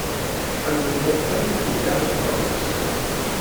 Tḥemmlemt atay ugar n teɣlust.